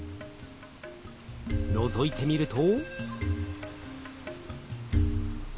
のぞいてみると。